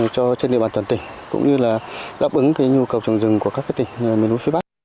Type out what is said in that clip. cho trên địa bàn toàn tỉnh cũng như là đáp ứng nhu cầu trồng rừng của các tỉnh miền núi phía bắc